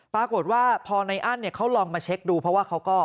ปรากฏว่าพอในอั้นเขาลองมาเช็คดูเพราะว่าเขาก็